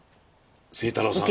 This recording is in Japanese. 清太郎さんから。